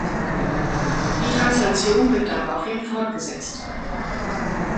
Die Translation wird daraufhin fortgesetzt.